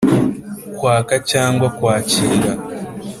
kwaka cyangwa kwakira